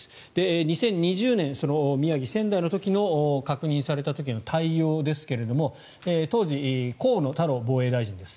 ２０２０年、宮城・仙台の時の確認された時の対応ですが当時、河野太郎防衛大臣です。